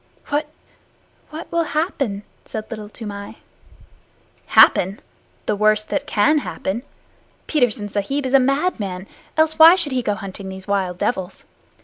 "What what will happen?" said Little Toomai. "Happen! The worst that can happen. Petersen Sahib is a madman. Else why should he go hunting these wild devils?